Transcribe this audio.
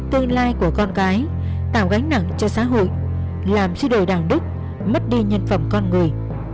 tương lai của con gái tạo gánh nặng cho xã hội làm suy đổi đảng đức mất đi nhân phẩm con người